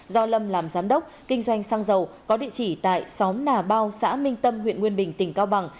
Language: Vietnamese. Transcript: do lâm làm giám đốc kinh doanh xăng dầu có địa chỉ tại xóm nà bao xã minh tâm huyện nguyên bình tỉnh cao bằng